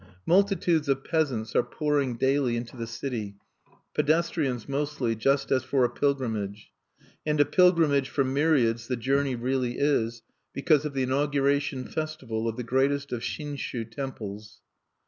Multitudes of peasants are pouring daily into the city, pedestrians mostly, just as for a pilgrimage. And a pilgrimage for myriads the journey really is, because of the inauguration festival of the greatest of Shinshu temples.